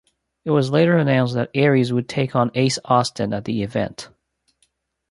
It was later announced that Aries would take on Ace Austin at the event.